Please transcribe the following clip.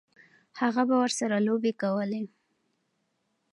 هغه به ورسره لوبې کولې.